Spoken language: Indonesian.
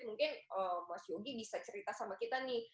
mungkin mas yogi bisa cerita sama kita nih